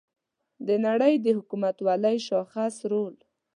د نړۍ د حکومتولۍ شاخص رول